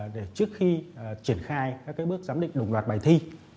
được kỹ trước khi triển khai các cái bước giám định đồng loạt bài thi